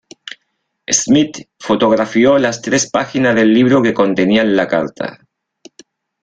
Smith fotografió las tres páginas del libro que contenían la carta.